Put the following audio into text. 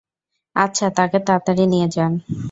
আচ্ছা, তাকে তাড়াতাড়ি নিয়ে যান।